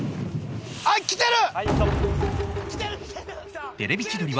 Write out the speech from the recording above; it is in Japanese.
あっきてる！